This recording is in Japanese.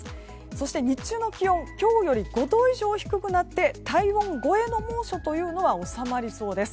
そして、日中の気温今日より５度以上低くなって体温超えの猛暑というのは収まりそうです。